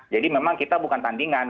jadi memang kita bukan tandingan